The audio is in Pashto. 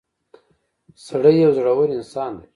• سړی یو زړور انسان دی.